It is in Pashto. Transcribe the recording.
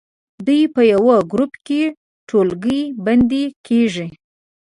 دوی په یوه ګروپ کې ټولګی بندي کیږي.